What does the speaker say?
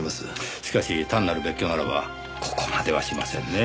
しかし単なる別居ならばここまではしませんねぇ。